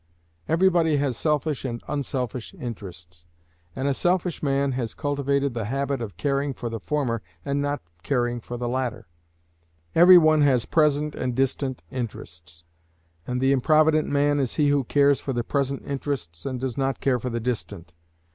Every body has selfish and unselfish interests, and a selfish man has cultivated the habit of caring for the former and not caring for the latter. Every one has present and distant interests, and the improvident man is he who cares for the present interests and does not care for the distant.